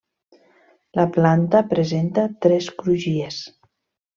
La planta presenta tres crugies.